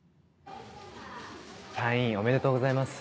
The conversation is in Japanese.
退院おめでとうございます。